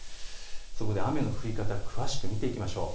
そこで雨の降り方、詳しく見ていきましょう。